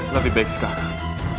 lebih baik sekarang